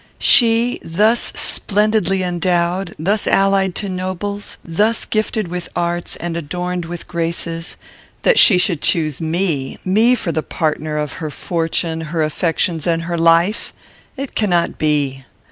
She, thus splendidly endowed; thus allied to nobles; thus gifted with arts, and adorned with graces; that she should choose me, me for the partner of her fortune; her affections; and her life! It cannot be.